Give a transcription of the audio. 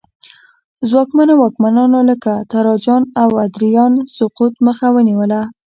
ځواکمنو واکمنانو لکه تراجان او ادریان سقوط مخه ونیوله